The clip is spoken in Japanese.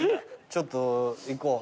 ちょっと行こう。